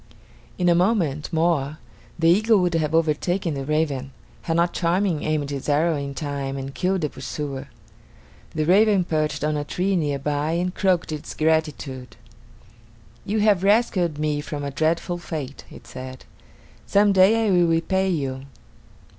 In a moment more the eagle would have overtaken the raven, had not Charming aimed his arrow in time and killed the pursuer. The raven perched on a tree near by and croaked its gratitude: "You have rescued me from a dreadful fate," it said. "Some day I will repay you."